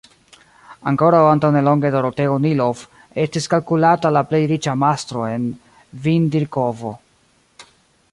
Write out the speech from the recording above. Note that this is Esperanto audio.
Ankoraŭ antaŭ nelonge Doroteo Nilov estis kalkulata la plej riĉa mastro en Vindirkovo.